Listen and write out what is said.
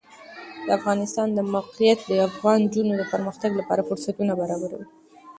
د افغانستان د موقعیت د افغان نجونو د پرمختګ لپاره فرصتونه برابروي.